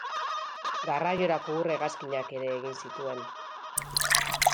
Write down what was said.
Garraiorako ur-hegazkinak ere egin zituen.